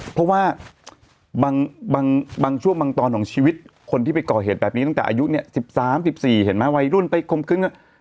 เพราะว่าบางช่วงบางตอนของชีวิตคนที่ไปก่อเหตุแบบนี้ตั้งแต่อายุเนี่ย๑๓๑๔เห็นไหมวัยรุ่นไปคมคืนกัน